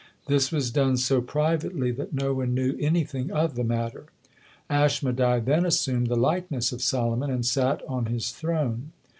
This was done so privately, that no one knew anything of the matter. Aschmedai then assumed the likeness of Solomon, and sat on his throne.